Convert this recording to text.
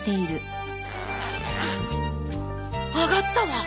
上がったわ。